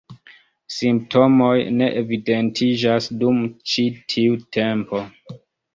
Simptomoj ne evidentiĝas dum ĉi tiu tempo.